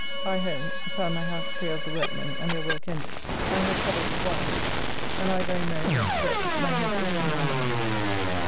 I home (found my house clear of the workmen and their work ended), my head troubled with wine, and I very merry went to bed, my head akeing all night.